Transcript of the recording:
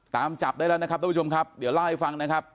ตามจับได้แล้วนะครับทุกผู้ชมครับเดี๋ยวเล่าให้ฟังนะครับ